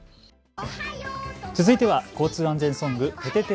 続いては交通安全ソング、ててて！